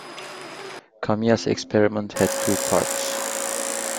Kamiya's experiment had two parts.